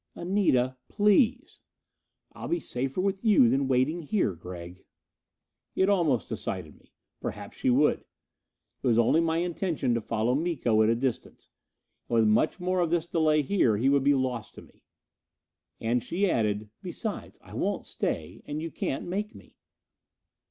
"Anita, please." "I'll be safer with you than waiting here, Gregg." It almost decided me. Perhaps she would. It was only my intention to follow Miko at a distance. And with much more of this delay here, he would be lost to me. And she added, "Besides, I won't stay, and you can't make me."